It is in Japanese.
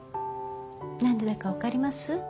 何でだか分かります？